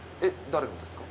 誰のですか？